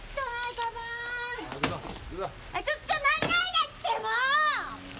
ちょっちょっと投げないでってもう！